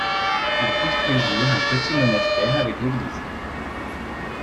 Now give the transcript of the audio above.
Ils construisirent un petit monastère avec l'église.